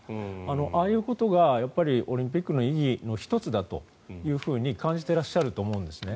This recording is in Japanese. ああいうことがオリンピックの意義の１つだというふうに感じていらっしゃると思うんですね。